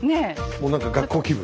もう何か学校気分。